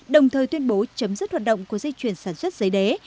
đồng thời tuyên bố chấm dứt hoạt động của dây chuyển sản xuất giấy đế